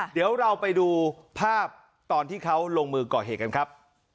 เดี๋ยวเราไปดูภาพตอนที่เขาลงมือก่อเหตุกันครับ